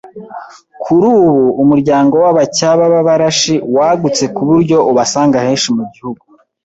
Kuri ubu umuryango w’abacyaba b’Abarashi wagutse ku buryo ubasanga henshi mu gihugu